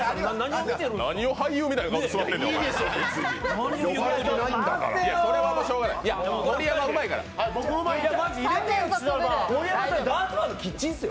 何を俳優みたいな顔して座ってるんだよ。